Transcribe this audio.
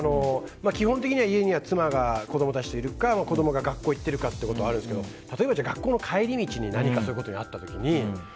基本的には家には妻が子供たちといるか子供が学校行ってるかがあるんですけど例えば学校の帰り道に何かそういうことがあった時に。